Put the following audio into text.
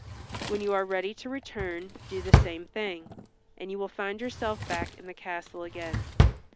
When you are ready to return do the same thing, and you will find yourself back in the castle again.